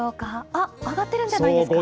あっ、上がってるんじゃないですか。